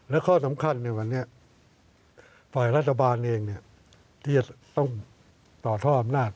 และข้อสำคัญในวันนี้ฝ่ายรัฐบาลเองที่จะต้องต่อท่ออำนาจ